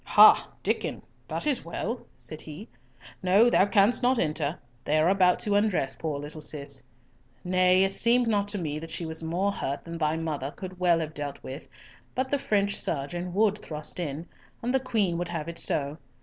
"Ha, Diccon, that is well," said he. "No, thou canst not enter. They are about to undress poor little Cis. Nay, it seemed not to me that she was more hurt than thy mother could well have dealt with, but the French surgeon would thrust in, and the Queen would have it so.